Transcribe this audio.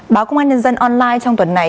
báo công an nhân dân online trong tuần này